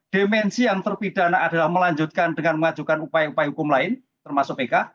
dimensi yang terpidana adalah melanjutkan dengan mengajukan upaya upaya hukum lain termasuk pk